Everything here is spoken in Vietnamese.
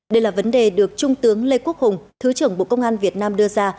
đây là vấn đề được trung tướng lê quốc hùng thứ trưởng bộ công an việt nam đưa ra